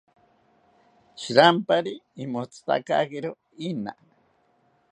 Shirampari imotzitakakiro ina